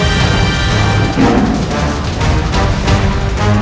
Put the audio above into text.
berani beraninya kamu melawanku